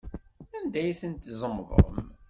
Anda ay tent-tzemḍem?